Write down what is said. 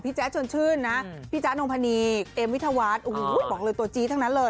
พี่แจ๊ชนชื่นนะฮะพี่จ๊ะนมพณีเอ็มวิทวาสอุ้ยบอกเลยตัวจี้ทั้งนั้นเลย